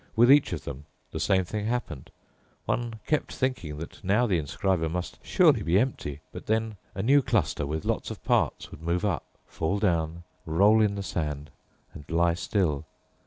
With each of them the same thing happened. One kept thinking that now the inscriber must surely be empty, but then a new cluster with lots of parts would move up, fall down, roll in the sand, and lie still.